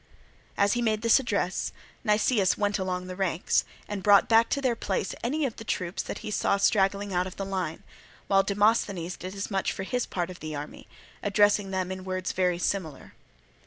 As he made this address, Nicias went along the ranks, and brought back to their place any of the troops that he saw straggling out of the line; while Demosthenes did as much for his part of the army, addressing them in words very similar.